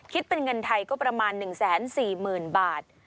คิดเป็นเงินไทยก็ประมาณ๑๔๐๐๐บาท